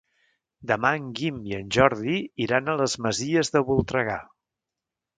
Demà en Guim i en Jordi iran a les Masies de Voltregà.